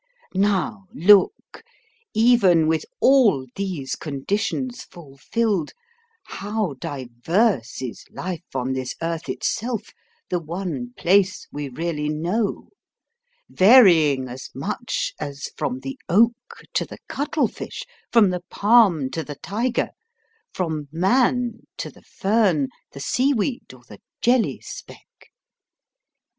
Now, look, even with all these conditions fulfilled, how diverse is life on this earth itself, the one place we really know varying as much as from the oak to the cuttle fish, from the palm to the tiger, from man to the fern, the sea weed, or the jelly speck.